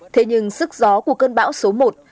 thế nhưng sức gió của cơn bão số một